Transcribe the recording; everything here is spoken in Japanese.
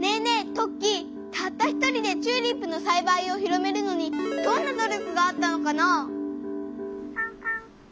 トッキーたった１人でチューリップのさいばいを広めるのにどんな努力があったのかな？